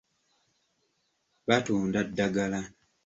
Batunda ddagala.